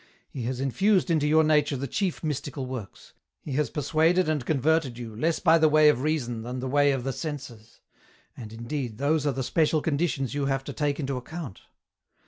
He has infused into your nature the chief mystical works ; he has persuaded and converted you, less by the way of reason than the way of the senses ; and indeed those are the special conditions you have to take into account.